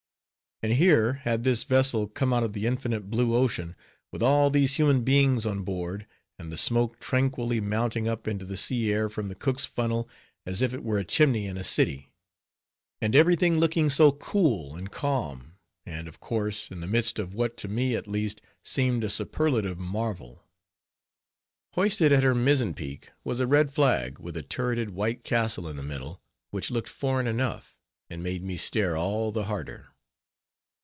And here, had this vessel come out of the infinite blue ocean, with all these human beings on board, and the smoke tranquilly mounting up into the sea air from the cook's funnel as if it were a chimney in a city; and every thing looking so cool, and calm, and of course, in the midst of what to me, at least, seemed a superlative marvel. Hoisted at her mizzen peak was a red flag, with a turreted white castle in the middle, which looked foreign enough, and made me stare all the harder.